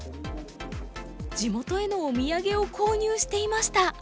地元へのお土産を購入していました。